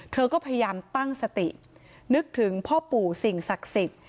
เธอก็พยายามตั้งสตินึกถึงพ่อปู่สิ่งศักดิ์สิทธิ์